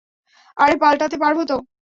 আরে, পাল্টাতে পারব তো।